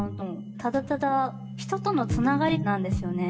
ただただ人とのつながりなんですよね。